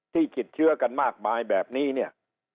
ที่กิจเชือกันมากมายแบบนี้